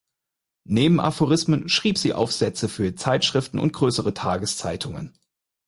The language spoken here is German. Neben Aphorismen schrieb sie Aufsätze für Zeitschriften und größere Tageszeitungen.